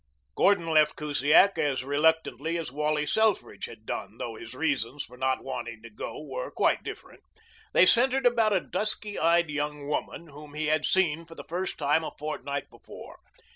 Gordon left Kusiak as reluctantly as Wally Selfridge had done, though his reasons for not wanting to go were quite different. They centered about a dusky eyed young woman whom he had seen for the first time a fortnight before.